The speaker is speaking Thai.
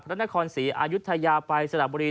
พระราณคล๔อายุทยาไปสลับบุรี